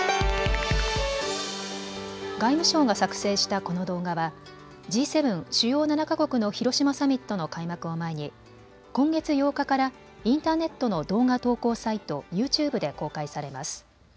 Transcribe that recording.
外務省が作成したこの動画はＧ７・主要７か国の広島サミットの開幕を前に今月８日からインターネットの動画投稿サイト、ユーチューブで公開されます。